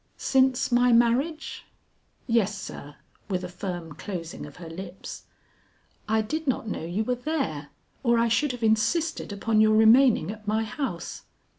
"Since my marriage?" "Yes sir;" with a firm closing of her lips. "I did not know you were there or I should have insisted upon your remaining at my house."